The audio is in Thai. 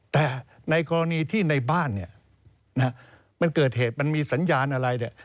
แต่ในกรณีที่ในบ้านเนี่ยนะฮะมันเกิดเหตุมันมีสัญญาณอะไรเนี่ย